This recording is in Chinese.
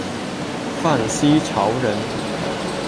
范希朝人。